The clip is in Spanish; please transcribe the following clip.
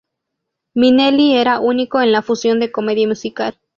Minnelli era único en la fusión de comedia y musical.